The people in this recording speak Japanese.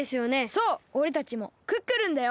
そうおれたちもクックルンだよ。